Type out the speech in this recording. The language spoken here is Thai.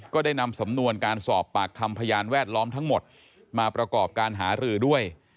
ได้นำสำนวนการสอบปากคำพยานแวดล้อมทั้งหมดมาประกอบการหารือด้วย